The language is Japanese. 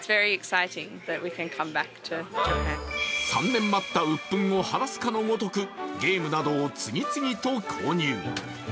３年待った鬱憤を晴らすかのようにゲームなどを次々と購入。